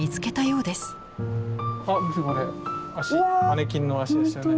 マネキンの足ですよね。